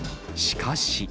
しかし。